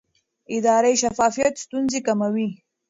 اداري شفافیت ستونزې کموي